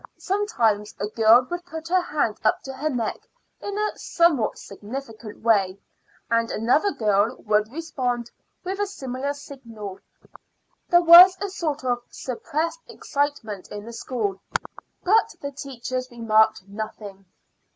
Sometimes a girl would put her hand up to her neck in a somewhat significant way, and another girl would respond with a similar signal. There was a sort of suppressed excitement in the school; but the teachers remarked nothing.